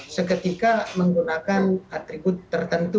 seketika menggunakan atribut tertentu